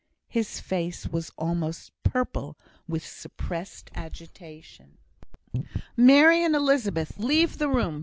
His face was almost purple with suppressed agitation. "Mary and Elizabeth, leave the room.